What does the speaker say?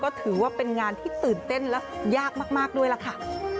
ก็ถือว่าเป็นงานที่ตื่นเต้นและยากมากด้วยล่ะค่ะ